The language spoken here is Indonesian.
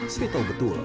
sri tahu betul